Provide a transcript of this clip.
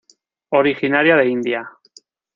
Originaria de India.